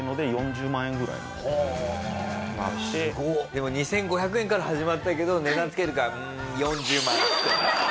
でも２５００円から始まったけど値段付けるから「うん４０万円」っつって。